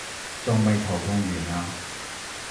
仲未頭痛完啊？